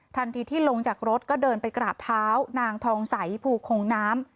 ทันทีที่ลงจากรถก็เดินไปกราบเท้านางทองใสภูคงน้ำ